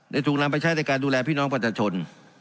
ถูกนำไปใช้ในการดูแลพี่น้องประชาชน